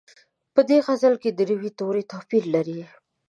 په دې غزل کې د روي توري توپیر لري.